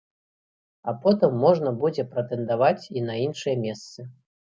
А потым можна будзе прэтэндаваць і на іншыя месцы.